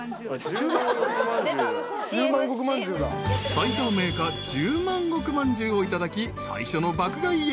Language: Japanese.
［埼玉銘菓十万石まんじゅうをいただき最初の爆買いへ］